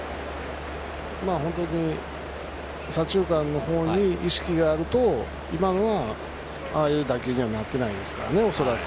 左中間に意識があると今のは、ああいう打球にはなってないですからね。